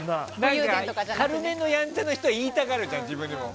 軽めのやんちゃの人は言いたがるじゃん、自分で。